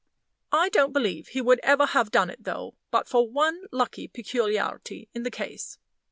I don't believe he would ever have done it, though, but for one lucky peculiarity in the case.